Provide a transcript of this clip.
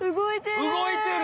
動いてる！